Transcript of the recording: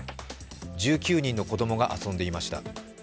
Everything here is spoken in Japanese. １９人の子供が遊んでいました。